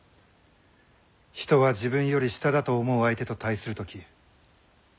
人は自分より下だと思う相手と対する時本性が現れる。